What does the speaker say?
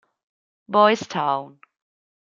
Boys Town